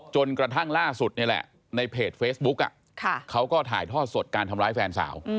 จนกระทั่งล่าสุดนี่แหละในเพจเฟซบุ๊กเขาก็ถ่ายทอดสดการทำร้ายแฟนสาว